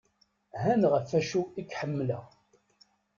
Han ɣef acu i k(m)-ḥemmleɣ.